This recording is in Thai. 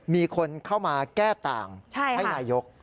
มีคนเข้ามาแก้ต่างให้นายก